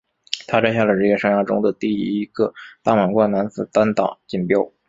他摘下了职业生涯中的第一个大满贯男子单打锦标。